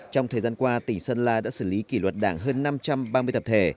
trong thời gian qua tỉnh sơn la đã xử lý kỷ luật đảng hơn năm trăm ba mươi tập thể